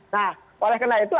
nah oleh karena itu